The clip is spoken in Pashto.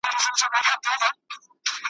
مُلایانو به زکات ولي خوړلای `